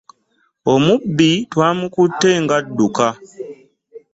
Omubbi twamukutte nga adduka.